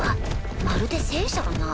まるで戦車だな。